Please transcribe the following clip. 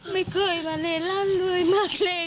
ไม่เคยมาหลบเลยหลบใหญ่มากเลย